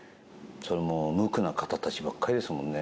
それも無垢な方たちばかりですからね。